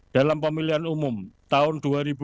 dalam pemilihan umum tahun dua ribu dua puluh empat